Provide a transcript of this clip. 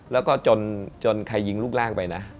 แล้วก็จนใครยิงลูกแรกไปนะ